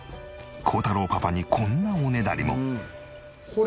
耕太郎パパにこんなおねだりも。